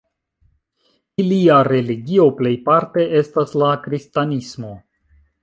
Ilia religio plejparte estas la kristanismo.